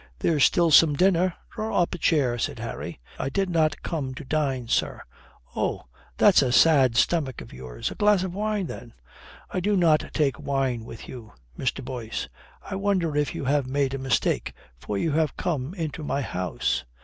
"There's still some dinner. Draw up a chair," said Harry. "I did not come to dine, sir." "Oh, that's a sad stomach of yours. A glass of wine, then?" "I do not take wine with you, Mr. Boyce." "I wonder if you have made a mistake. For you have come into my house."